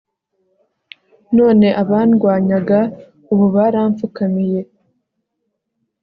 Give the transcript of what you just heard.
none abandwanyaga, ubu barampfukamiye